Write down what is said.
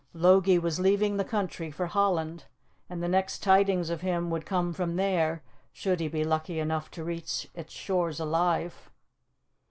Logie was leaving the country for Holland, and the next tidings of him would come from there, should he be lucky enough to reach its shores alive.